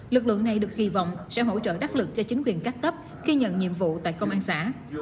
lực lượng này được kỳ vọng sẽ hỗ trợ đắc lực cho chính quyền các cấp khi nhận nhiệm vụ tại công an xã